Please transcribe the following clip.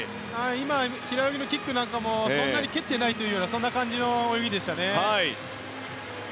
平泳ぎのキックなんかもそんなに蹴っていないそんな感じの泳ぎでしたね。